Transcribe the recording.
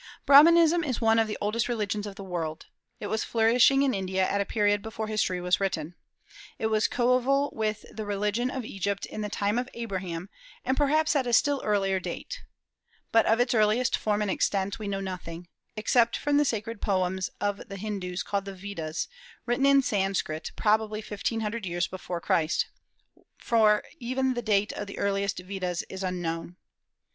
Brahmanism is one of the oldest religions of the world. It was flourishing in India at a period before history was written. It was coeval with the religion of Egypt in the time of Abraham, and perhaps at a still earlier date. But of its earliest form and extent we know nothing, except from the sacred poems of the Hindus called the Vedas, written in Sanskrit probably fifteen hundred years before Christ, for even the date of the earliest of the Vedas is unknown.